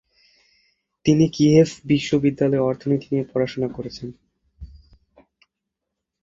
তিনি কিয়েভ বিশ্ববিদ্যালয়ে অর্থনীতি নিয়ে পড়াশোনা করেছেন।